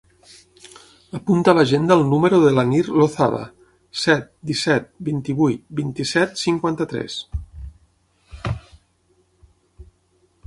Apunta a l'agenda el número de l'Anir Lozada: set, disset, vint-i-vuit, vint-i-set, cinquanta-tres.